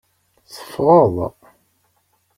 Teffɣeḍ.